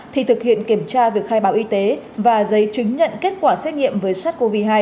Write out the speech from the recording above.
thì thực hiện kiểm tra việc khai báo y tế và giấy chứng nhận kết quả xét nghiệm với sars cov hai